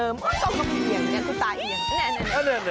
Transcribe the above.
เออคุณตายเอียง